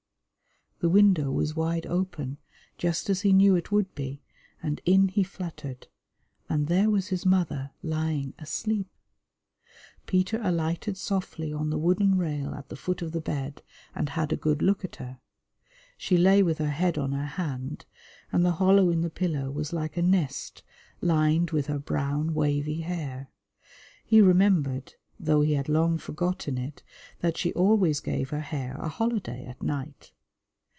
The window was wide open, just as he knew it would be, and in he fluttered, and there was his mother lying asleep. Peter alighted softly on the wooden rail at the foot of the bed and had a good look at her. She lay with her head on her hand, and the hollow in the pillow was like a nest lined with her brown wavy hair. He remembered, though he had long forgotten it, that she always gave her hair a holiday at night.